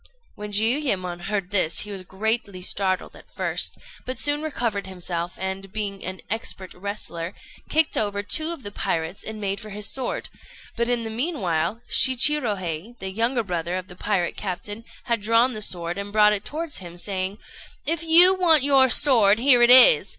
When Jiuyémon heard this he was greatly startled at first, but soon recovered himself, and being an expert wrestler, kicked over two of the pirates, and made for his sword; but in the meanwhile Shichirohei, the younger brother of the pirate captain, had drawn the sword, and brought it towards him, saying "If you want your sword, here it is!"